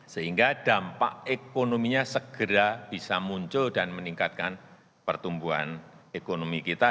sehingga dampak ekonominya segera bisa muncul dan meningkatkan pertumbuhan ekonomi kita